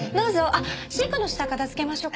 あっシンクの下片付けましょうか？